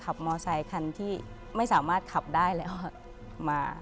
ขับมอซัยคันที่ไม่สามารถขับได้เลยว่ะ